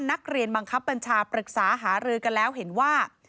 นักเรียนบังคับบัญชาปรึกษาหารือกันแล้วเห็นว่า